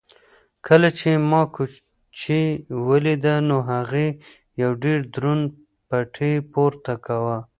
کله چې ما کوچۍ ولیده نو هغې یو ډېر دروند پېټی پورته کاوه.